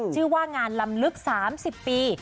ชื่อว่างานลำลึก๓๐ปี